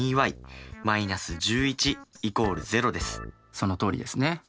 そのとおりですね。